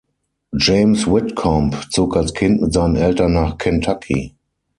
James Whitcomb zog als Kind mit seinen Eltern nach Kentucky.